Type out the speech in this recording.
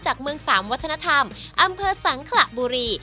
จากเมืองสามวัฒนธรรมอำเภอสังขระบุรี